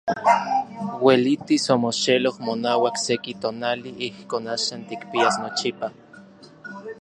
Uelitis omoxeloj monauak seki tonali ijkon axan tikpias nochipa.